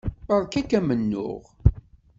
Beṛka-k amennuɣ.